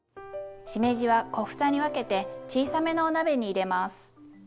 しめじは小房に分けて小さめのお鍋に入れます。